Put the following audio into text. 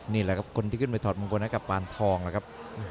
นี่แหละครับคนที่ขึ้นไปถอดมงคลให้กับปานทองแล้วครับ